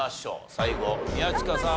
最後宮近さん